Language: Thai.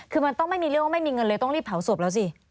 คือมันต้องไม่มีเรื่องว่าไม่มีเงินเลยต้องรีบเผาศพแล้วสิ